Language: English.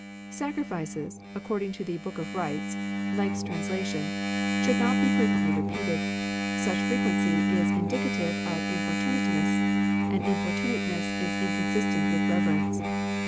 " Sacrifices," according to the Book of Rites (Legge's translation), "should not be fre quently repeated. Such frequency is indic ative of importimateness ; and importunate ness is inconsistent with reverence.